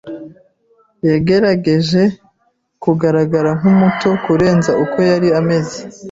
Yagerageje kugaragara nkumuto kurenza uko yari ameze.